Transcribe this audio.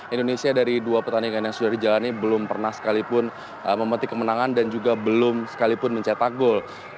indonesia dari dua pertandingan yang sudah dijalani belum pernah sekalipun memetik kemenangan dan juga belum sekalipun mencetak gol